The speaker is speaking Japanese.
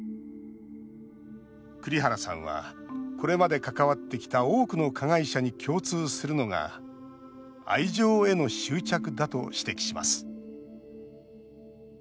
栗原さんはこれまで関わってきた多くの加害者に共通するのが愛情への執着だと指摘します